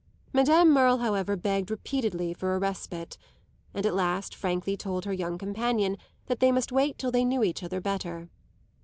Madame Merle, however, begged repeatedly for a respite, and at last frankly told her young companion that they must wait till they knew each other better.